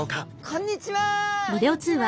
こんにちは！